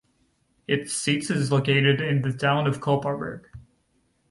Its seat is located in the town of Kopparberg.